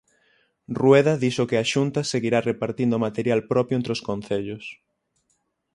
Rueda dixo que a Xunta seguirá repartindo material propio entre os concellos.